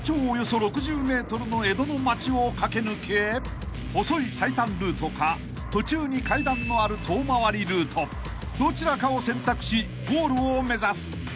およそ６０ｍの江戸の町を駆け抜け細い最短ルートか途中に階段のある遠回りルートどちらかを選択しゴールを目指す］